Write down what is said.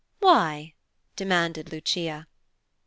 "Why?" demanded Lucia.